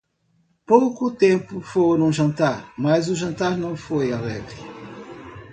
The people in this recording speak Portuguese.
Pouco depois foram jantar; mas o jantar não foi alegre.